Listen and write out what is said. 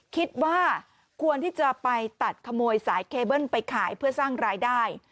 คิดว่าควรที่จะไปตัดขโมยสายเคเบิ้ลไปขายเพื่อสร้างรายได้